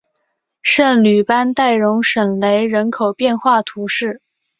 圣吕班代容什雷人口变化图示